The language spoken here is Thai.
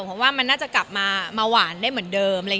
เพราะว่ามันน่าจะกลับมาหวานได้เหมือนเดิม